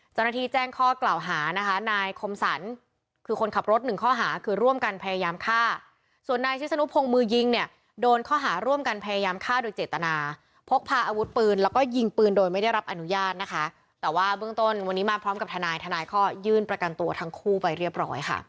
เจ้าหน้าที่แจ้งข้อกล่าวหานะคะนายคมสรรคือคนขับรถหนึ่งข้อหาคือร่วมกันพยายามฆ่าส่วนนายชิศนุพงศ์มือยิงเนี่ยโดนข้อหาร่วมกันพยายามฆ่าโดยเจตนาพกพาอาวุธปืนแล้วก็ยิงปืนโดยไม่ได้รับอนุญาตนะคะแต่ว่าเบื้องต้นวันนี้มาพร้อมกับทนายทนายข้อยื่นประกันตัวทั้งคู่ไปเรียบร้อยค่ะ